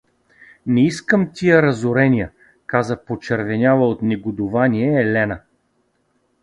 — Не искам тия разорения — каза почервеняла от негодувание Елена.